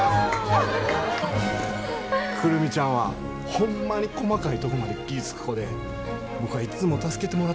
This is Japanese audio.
久留美ちゃんはホンマに細かいとこまで気ぃ付く子で僕はいっつも助けてもらってて。